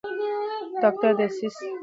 ډاکټر ډسیس څو پروژې پرمخ وړي.